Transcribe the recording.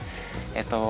えっと